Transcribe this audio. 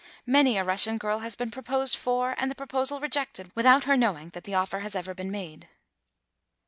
Many a Russian ^irl has been proposed for and the proposal rejected, with out her knowing that the offer has ever been made.